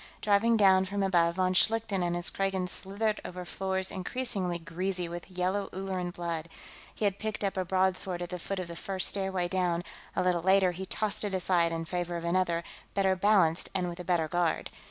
Driving down from above, von Schlichten and his Kragans slithered over floors increasingly greasy with yellow Ulleran blood. He had picked up a broadsword at the foot of the first stairway down; a little later, he tossed it aside in favor of another, better balanced and with a better guard.